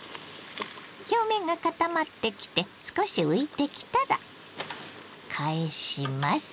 表面が固まってきて少し浮いてきたら返します。